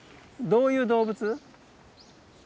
どういう動物？